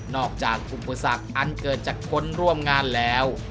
อกจากอุปสรรคอันเกิดจากคนร่วมงานแล้ว